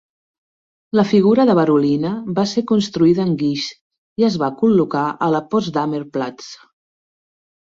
La figura de Berolina va ser construïda en guix i es va col·locar a la Potsdamer Platz.